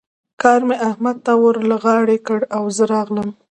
کار مې احمد ته ور له غاړې کړ او زه راغلم.